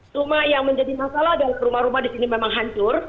cuma yang menjadi masalah adalah rumah rumah di sini memang hancur